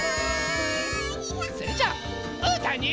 それじゃあうーたんに。